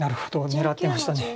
狙ってました。